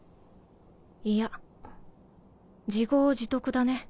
いや自業自得だね。